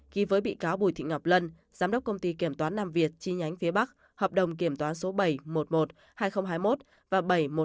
ghi với bị cáo bùi thị ngọc lân giám đốc công ty kiểm toán nam việt chi nhánh phía bắc hợp đồng kiểm toán số bảy một một hai nghìn hai mươi một và bảy một hai hai nghìn hai mươi một